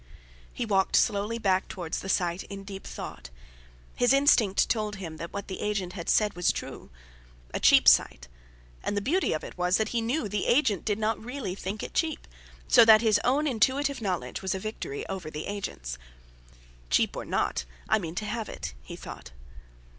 He walked slowly back towards the site in deep thought. His instinct told him that what the agent had said was true. A cheap site. And the beauty of it was, that he knew the agent did not really think it cheap; so that his own intuitive knowledge was a victory over the agent's. "Cheap or not, I mean to have it," he thought.